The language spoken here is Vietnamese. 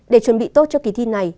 để chuẩn bị tốt cho kỳ thi này